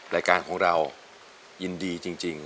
รายการของเรายินดีจริง